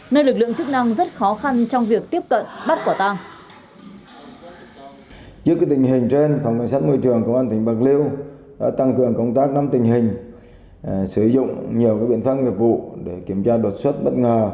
nơi lực lượng chức năng rất khó khăn trong việc tiếp cận bắt quả tăng